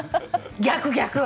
逆、逆！